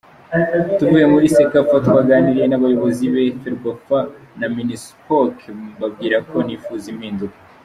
Tuvuye muri Cecafa twaganiriye n’abayobozi ba Ferwafa na Minispoc mbabwira ko nifuza impinduka.